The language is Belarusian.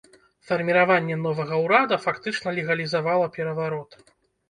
Фарміраванне новага ўрада фактычна легалізавала пераварот.